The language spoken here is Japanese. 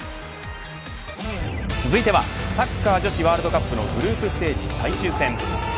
続いてはサッカー女子ワールドカップのグループステージ最終戦。